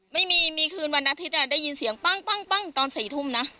ไม่มีมีคืนวันอาทิตย์น่ะได้ยินเสียงปั้งปั้งปั้งตอนสี่ทุ่มน่ะ